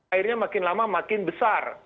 airnya makin lama makin besar